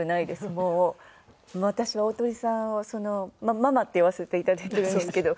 もう私は鳳さんをその「ママ」って呼ばせていただいてるんですけど。